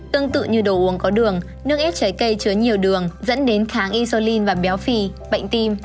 tương tự như đồ uống có đường nước ít trái cây chứa nhiều đường dẫn đến kháng insolin và béo phì bệnh tim